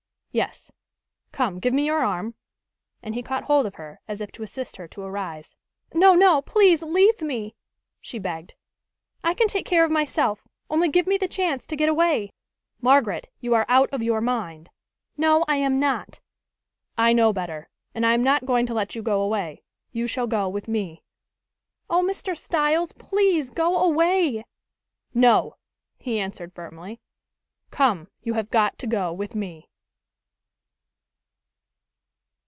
"Yes. Come, give me your arm," and he caught hold of her, as if to assist her to arise. "No, no! Please leave me!" she begged. "I can take care of myself. Only give me the chance to get away!" "Margaret! You are out of your mind." "No, I am not." "I know better. And I am not going to let you go away. You shall go with me." "Oh, Mr. Styles! Please go away." "No," he answered firmly. "Come, you have got to go with me."